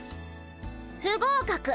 不合格！